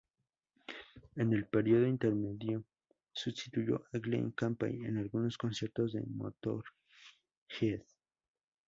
En el periodo intermedio sustituyó a Glen Campbell en algunos conciertos de Motörhead.